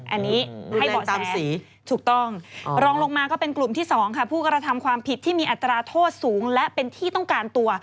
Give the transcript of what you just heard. อันนี้ให้เบาะจำสีถูกต้องรองลงมาก็เป็นกลุ่มที่๒ค่ะผู้กระทำความผิดที่มีอัตราโทษสูงและเป็นที่ต้องการตัว